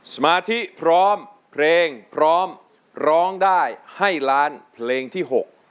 สมาธิพร้อมเพลงพร้อมร้องได้ให้ล้านเพลงที่๖